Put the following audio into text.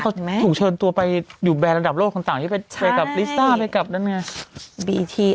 เขาถูกเชิญตัวไปอยู่แบร์ระดับโลกต่างไปกับลิซ่าไปกับนั่นไง